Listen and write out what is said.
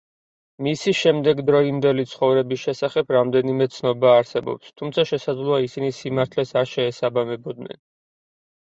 მისი შემდეგდროინდელი ცხოვრების შესახებ რამდენიმე ცნობა არსებობს, თუმცა, შესაძლოა, ისინი სიმართლეს არ შეესაბამებოდნენ.